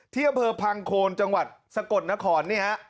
เที่ยวเผลอพังโคนจังหวัดสะกดนคร